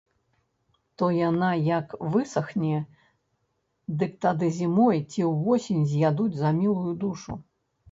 То яна як высахне, дык тады зімою ці ўвосень з'ядуць за мілую душу.